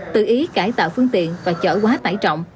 tự ý cải tạo phương tiện và chở quá tải trọng